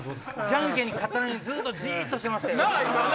じゃんけんに勝ったのにずっとじっとしてましたよ。